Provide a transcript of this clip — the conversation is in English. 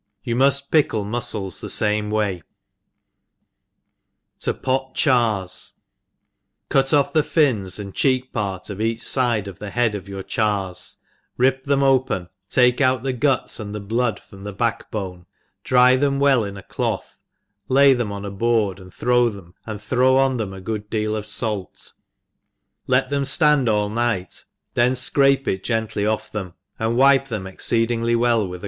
You moft pickle mufcles the fame way. 3r# ENGLISH HOUSE KEEPER. 47 Tp pot Chars. CUT ofF fhc fins, and* cheek part of eacli fide of the head of your chars, rip them open, take out the guts and the blood from the back bone, dry them well in a cloth, lay them on ^ board, and throw on them a good deal of fait, let them ftand all night, then fcrape it gently off them, anfl'wipe them exceedingly well with •.